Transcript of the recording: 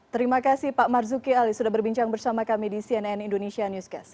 terima kasih pak marzuki ali sudah berbincang bersama kami di cnn indonesia newscast